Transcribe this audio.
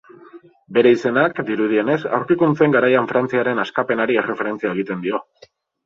Bere izenak, dirudienez, aurkikuntzen garaian Frantziaren askapenari erreferentzia egiten dio.